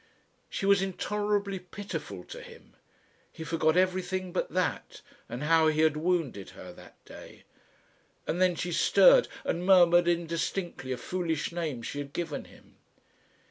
She was intolerably pitiful to him. He forgot everything but that and how he had wounded her that day. And then she stirred and murmured indistinctly a foolish name she had given him.